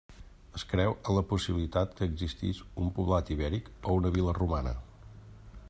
Es creu en la possibilitat que existís un poblat ibèric o una vila romana.